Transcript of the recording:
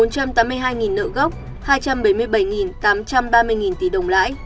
cùng bốn trăm tám mươi hai nợ gốc hai trăm bảy mươi bảy tám trăm ba mươi tỷ đồng